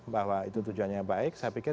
bahwa itu tujuannya baik saya pikir